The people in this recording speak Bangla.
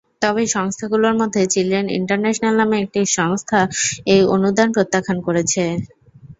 তবে সংস্থাগুলোর মধ্যে চিলড্রেন ইন্টারন্যাশনাল নামে একটি সংস্থা এই অনুদান প্রত্যাখ্যান করেছে।